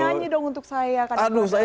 nyanyi dong untuk saya